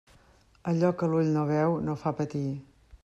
Allò que l'ull no veu no fa patir.